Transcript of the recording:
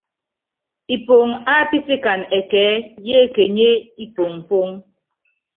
Ipoŋo ápítikana ɛkɛɛ́ yékenyié ipoŋpoŋ.